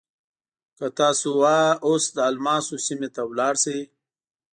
که تاسو اوس د الماسو سیمې ته لاړ شئ.